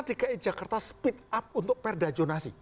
pemerintah dki jakarta speed up untuk perdajonasi